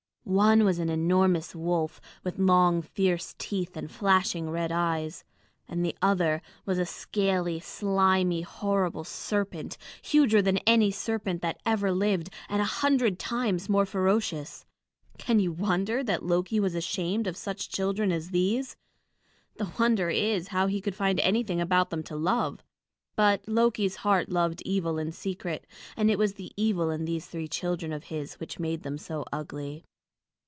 One was an enormous wolf, with long fierce teeth and flashing red eyes. And the other was a scaly, slimy, horrible serpent, huger than any serpent that ever lived, and a hundred times more ferocious. Can you wonder that Loki was ashamed of such children as these? The wonder is, how he could find anything about them to love. But Loki's heart loved evil in secret, and it was the evil in these three children of his which made them so ugly.